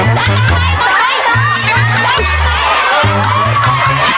ไป